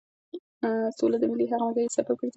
سوله د ملي همغږۍ سبب ګرځي.